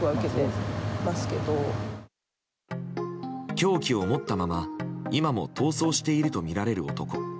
凶器を持ったまま今も逃走しているとみられる男。